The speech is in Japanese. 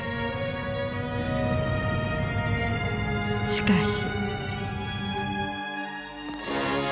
しかし。